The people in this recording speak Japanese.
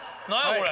これ。